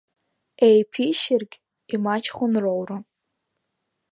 Еиԥишьыргь имаҷхон роура.